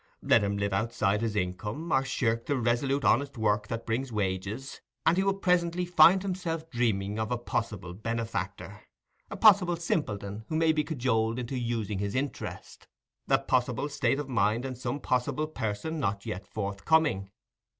Let him live outside his income, or shirk the resolute honest work that brings wages, and he will presently find himself dreaming of a possible benefactor, a possible simpleton who may be cajoled into using his interest, a possible state of mind in some possible person not yet forthcoming.